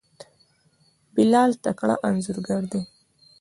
بلال تکړه انځورګر دی.